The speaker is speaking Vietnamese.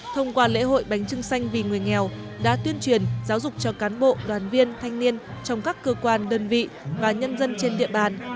thông qua lễ hội bánh trưng xanh vì người nghèo đã tuyên truyền giáo dục cho cán bộ đoàn viên thanh niên trong các cơ quan đơn vị và nhân dân trên địa bàn